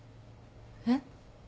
えっ？